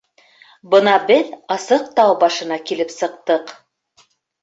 Бына беҙ асыҡ тау башына килеп сыҡтыҡ.